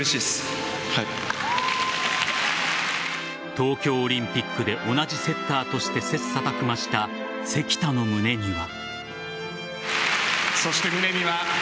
東京オリンピックで同じセッターとして切磋琢磨した関田の胸には。